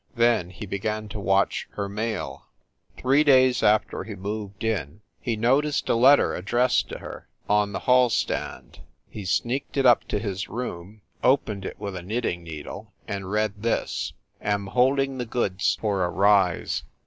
Then he began to watch her mail. Three days after 278 .FIND THE WOMAN he moved in, he noticed a letter addressed to her, on the hall stand. He sneaked it up into his room, opened it with a knitting needle, and read this : "Am holding the goods for a rise.